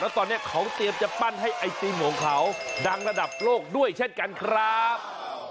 ตอนนี้เขาเตรียมจะปั้นให้ไอติมของเขาดังระดับโลกด้วยเช่นกันครับ